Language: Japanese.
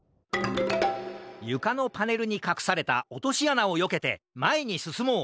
ゆかのパネルにかくされたおとしあなをよけてまえにすすもう！